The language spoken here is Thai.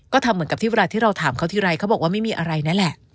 ก็ทำเหมือนกับที่เวลาที่เราถามเขาทีไรเขาบอกว่าไม่มีอะไรนั่นแหละ